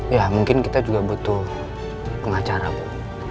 ya mungkin kita juga butuh pengacara bu